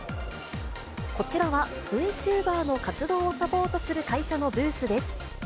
こちらはＶチューバーの活動をサポートする会社のブースです。